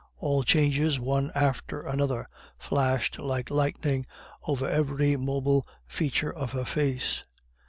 All changes, one after another, flashed like lightning over every mobile feature of her face.